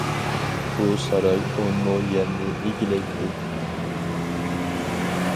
بۇ ساراي ئون مو يەرنى ئىگىلەيتتى.